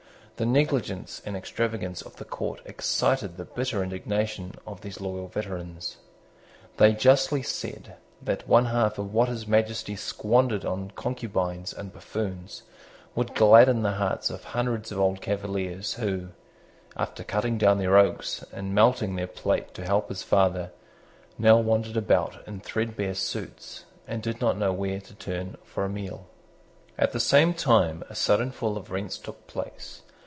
The negligence and extravagance of the court excited the bitter indignation of these loyal veterans. They justly said that one half of what His Majesty squandered on concubines and buffoons would gladden the hearts of hundreds of old Cavaliers who, after cutting down their oaks and melting their plate to help his father, now wandered about in threadbare suits, and did not know where to turn for a meal. At the same time a sudden fall of rents took place.